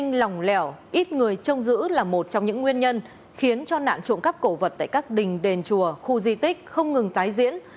nhưng lòng lẻo ít người trông giữ là một trong những nguyên nhân khiến cho nạn trộm cắp cổ vật tại các đình đền chùa khu di tích không ngừng tái diễn